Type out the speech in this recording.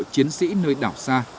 chiến sĩ nơi đảo xa